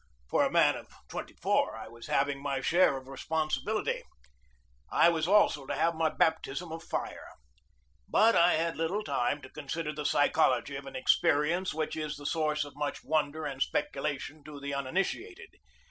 For a man of twenty four I was having my share of responsibility. I was also to have my baptism of fire. But I had little time to consider 62 GEORGE DEWEY the psychology of an experience which is the source of much wonder and speculation to the uninitiated.